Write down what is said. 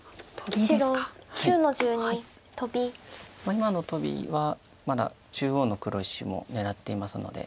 今のトビはまだ中央の黒石も狙っていますので。